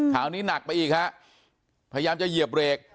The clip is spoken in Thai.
นี้หนักไปอีกฮะพยายามจะเหยียบเบรก